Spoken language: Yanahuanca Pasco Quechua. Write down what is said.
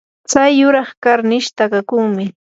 tsay yuraq karnish takakunmi.